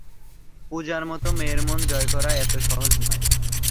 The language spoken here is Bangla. পুজার মতো মেয়ের মন জয় করা, এত সহজ নয়।